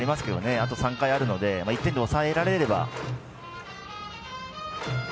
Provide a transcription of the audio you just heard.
あと３回ありますから１点で抑えられれば。